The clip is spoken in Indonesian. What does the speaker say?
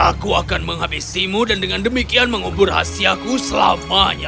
aku akan menghabisimu dan dengan demikian mengubur hasiaku sepenuhnya